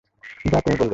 যা তুমি বলবে।